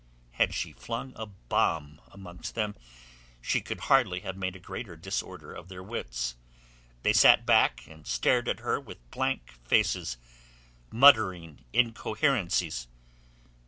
Had she flung a bomb amongst them she could hardly have made a greater disorder of their wits. They sat back, and stared at her with blank faces, muttering incoherencies. "His...